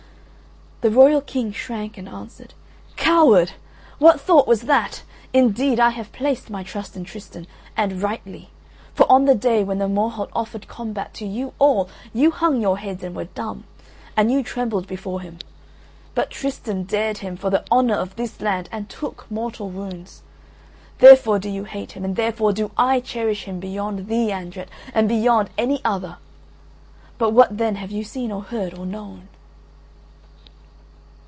The royal King shrank and answered: "Coward! What thought was that? Indeed I have placed my trust in Tristan. And rightly, for on the day when the Morholt offered combat to you all, you hung your heads and were dumb, and you trembled before him; but Tristan dared him for the honour of this land, and took mortal wounds. Therefore do you hate him, and therefore do I cherish him beyond thee, Andret, and beyond any other; but what then have you seen or heard or known?"